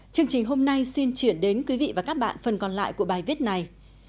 chương trình hôm nay xin chuyển đến quý vị và các bạn phần còn lại của bài viết này